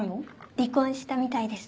離婚したみたいです